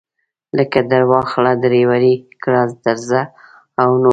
لکه درواخله درپورې کړه درځه او نور.